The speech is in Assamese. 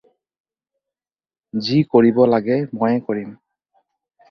যি কৰিব লাগে মই কৰিম।